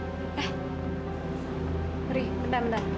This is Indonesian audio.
eh ri bentar bentar